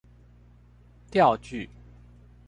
釣具